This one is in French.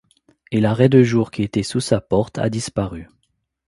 Et la raie de jour qui était sous sa porte a disparu.